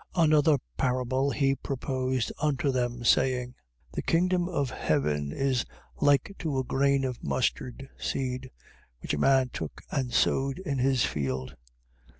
13:31. Another parable he proposed unto them, saying: The kingdom of heaven is like to a grain of mustard seed, which a man took and sowed in his field.